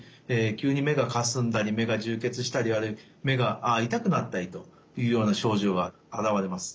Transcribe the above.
急に目がかすんだり目が充血したりあるいは目が痛くなったりというような症状が現れます。